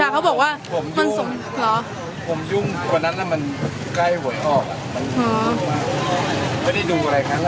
คุณครู